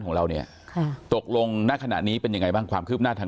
ของเราเนี่ยค่ะตกลงณขณะนี้เป็นยังไงบ้างความคืบหน้าทาง